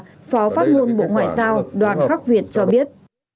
phó phát ngôn bộ ngoại giao đoàn khắc việt cho biết